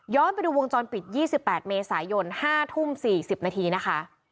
ไปดูวงจรปิด๒๘เมษายน๕ทุ่ม๔๐นาทีนะคะ